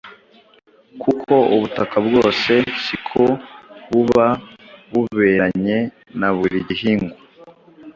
kuko ubutaka bwose siko buba buberanye na buri gihingwa.